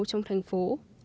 trong thành phố